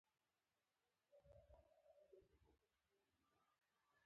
د روم امپراتورۍ له ړنګېدو وروسته خلکو واکمنان وشړل